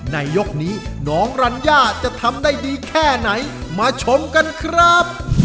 ในยกนี้น้องรัญญาจะทำได้ดีแค่ไหนมาชมกันครับ